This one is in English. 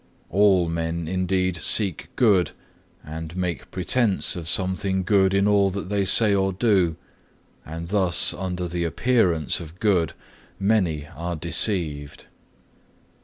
All men indeed seek good, and make pretence of something good in all that they say or do; and thus under the appearance of good many are deceived.